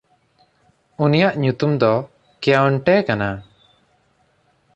ᱩᱱᱤᱭᱟᱜ ᱧᱩᱛᱩᱢ ᱫᱚ ᱠᱮᱣᱱᱴᱮ ᱠᱟᱱᱟ᱾